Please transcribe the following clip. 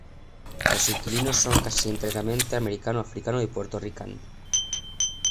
Los inquilinos son casi enteramente americano africano y Puerto Rican.